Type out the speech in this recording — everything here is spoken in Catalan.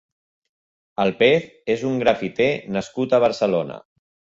El Pez és un grafiter nascut a Barcelona.